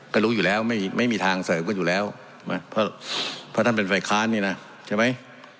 ก็รู้อยู่แล้วไม่มีทางเสริมกันอยู่แล้วเพราะท่านเป็นฝ่ายค้านนี่นะใช่ไหม